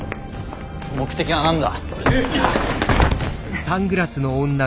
目的は何だ？